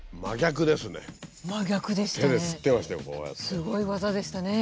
すごい技でしたね。